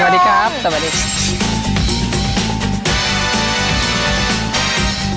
สวัสดีครับสวัสดี